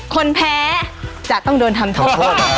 คนแพ้จะต้องโดนทำโทษ